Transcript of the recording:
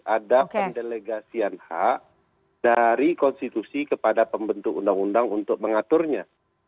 ada pendelegasian hak dari konstitusi kepada pembentuk undang undang untuk mengaturnya